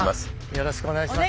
よろしくお願いします。